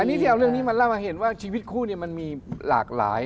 อันนี้ที่เอาเรื่องนี้มาเล่าให้เห็นว่าชีวิตคู่มันมีหลากหลาย